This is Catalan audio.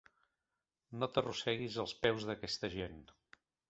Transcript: No t'arrosseguis als peus d'aquesta gent.